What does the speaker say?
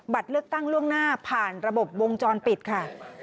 เลือกตั้งล่วงหน้าผ่านระบบวงจรปิดค่ะ